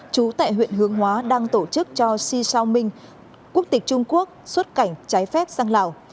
chú tại huyện hương hóa đang tổ chức cho xi sao minh quốc tịch trung quốc xuất cảnh cháy phép sang lào